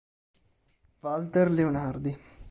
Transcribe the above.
Walter Leonardi